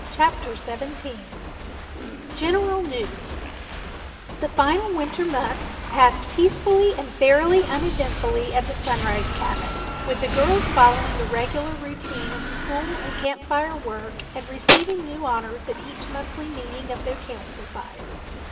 CHAPTER XVII General News The final winter months passed peacefully and fairly uneventfully at the Sunrise cabin, with the girls following a regular routine of school and Camp Fire work and receiving new honors at each monthly meeting of their Council Fire.